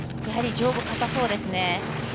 やはり上部かたそうですね。